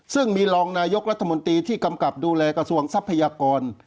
ซึ่งมีรองนายกรัฐมนตรีที่กำกับดูแลกระทรวงทรัพยากร